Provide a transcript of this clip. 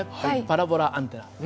パラボラアンテナ。